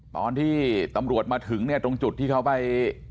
ตอนที่ตำรวจมาถึงเนี่ยตรงจุดที่เขาไป